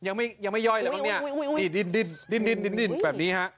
อุ๊ยดินแบบนี้